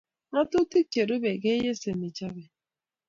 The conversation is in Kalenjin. ngatutik che rubei keyeshe nechobei